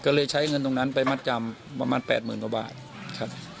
ก็เลยใช้เงินตรงนั้นไปมัดจำประมาณ๘๐๐๐กว่าบาทครับ